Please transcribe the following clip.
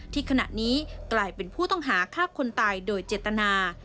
ขณะนี้กลายเป็นผู้ต้องหาฆ่าคนตายโดยเจตนา